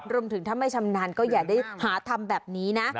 รวมถึงถ้าไม่ชำนาญก็อย่าได้หาทำแบบนี้นะ